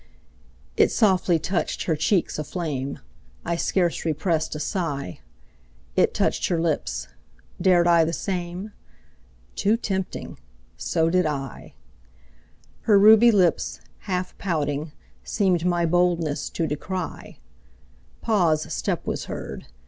It softly touched her cheeks aflame. I scarce repressed a sigh. It touched her lips. Dared I the same? Too tempting; so did I. Her ruby lips, half pouting, seemed My boldness to decry. Pa's step was heard.